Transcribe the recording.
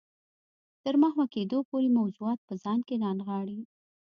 تر محوه کېدو پورې موضوعات په ځان کې رانغاړي.